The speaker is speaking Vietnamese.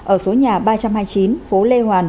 ở số nhà ba trăm hai mươi chín phố lê hoàn